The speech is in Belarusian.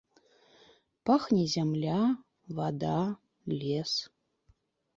Пахне зямля, вада, лес.